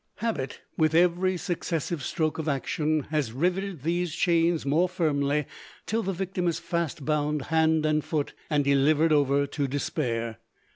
Habit, with every successive stroke of action, has riveted these chains more firmly, till the victim is fast bound hand and foot, and delivered over to despair.